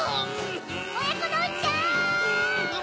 ・おやこどんちゃん！